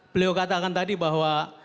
beliau katakan tadi bahwa